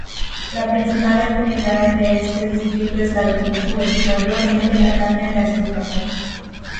La principal actividad de este distrito es la agricultura, mayormente la caña de azúcar.